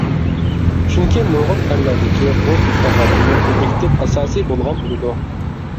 چۈنكى نۇرغۇن ئەرلەردىكى بۇ بىپەرۋالىقنىڭ ئوبيېكتىپ ئاساسى بولغان بولىدۇ.